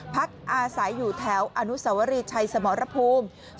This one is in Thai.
พักอาศัยอยู่แถวอนุสวรีชัยสมรภูมิ